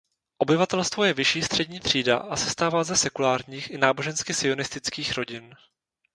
Obyvatelstvo je vyšší střední třída a sestává ze sekulárních i nábožensky sionistických rodin.